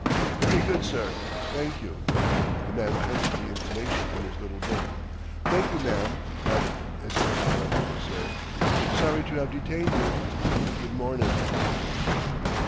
"Very good, sir; thank you." The man penciled the information in his little book. "Thank you, ma'am, and Mr. Hallam, sir. Sorry to have detained you. Good morning."